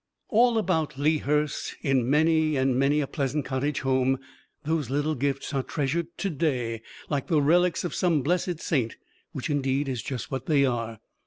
All about Lea Hurst, in many and many a pleasant cottage home, those little gifts are treasured to day like the relics of some blessed saint; which indeed is just what they are.